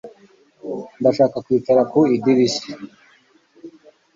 Ndashaka kwicara ku idirishya